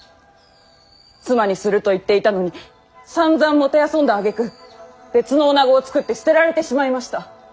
妻にすると言っていたのにさんざん弄んだあげく別の女子を作って捨てられてしまいました。